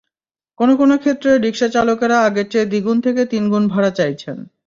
কোনো কোনো ক্ষেত্রে রিকশাচালকেরা আগের চেয়ে দ্বিগুণ থেকে তিনগুণ ভাড়া চাইছেন।